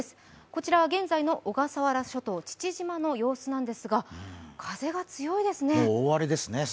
こちらは現在の小笠原諸島父島の様子なんですが大荒れですね。